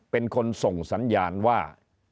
เป็นคนส่งสัญญาณว่า